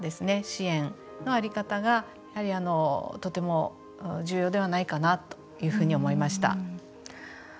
支援の在り方がとても重要ではないかというふうに思いました。